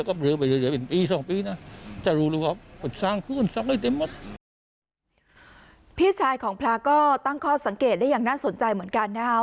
พี่ชายของพระก็ตั้งข้อสังเกตได้อย่างน่าสนใจเหมือนกันนะครับ